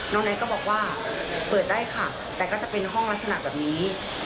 ไอซ์ก็บอกว่าเปิดได้ค่ะแต่ก็จะเป็นห้องลักษณะแบบนี้